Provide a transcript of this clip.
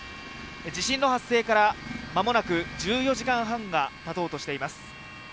地震の発生から間もなく１４時間半がたとうとしています。